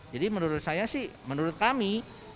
jadi menurut saya sih menurut kami